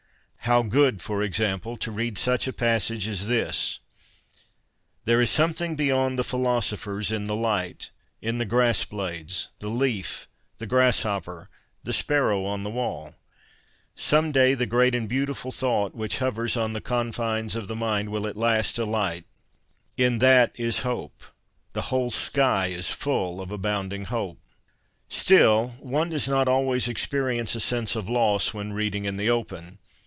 How good, for example, to 30 CONFESSIONS OF A BOOK LOVER read such a passage as this :' There is something beyond the philosophers in the light, in the grass blades, the leaf, the grasshopper, the sparrow on the wall. Some day the great and beautiful thought which hovers on the confines of the mind will at last alight. In that is hope, the whole sky is full of abounding hope.' Still, one does not always experience a sense of loss when reading in the open.